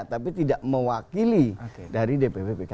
tapi tidak mewakili dari dpw pkb